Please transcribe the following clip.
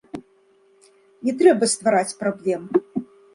Не трэба ствараць праблем!